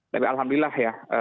tapi alhamdulillah ya